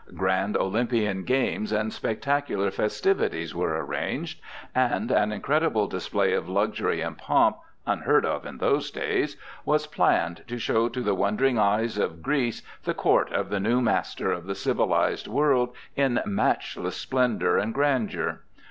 Grand Olympian games and spectacular festivities were arranged, and an incredible display of luxury and pomp, unheard of in those days, was planned to show to the wondering eyes of Greece the court of the new master of the civilized world in matchless splendor and grandeur.